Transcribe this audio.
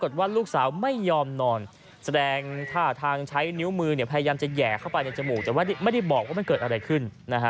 ตัวเองเนี้ยออกไปทำงาน